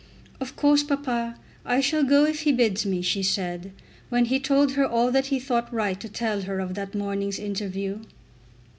"Of course, papa, I shall go if he bids me," she said, when he told her all that he thought right to tell her of that morning's interview.